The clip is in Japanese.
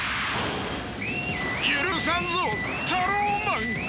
許さんぞタローマン！